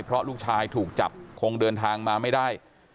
เพราะลูกชายถูกจับคงเดินทางมาไม่ได้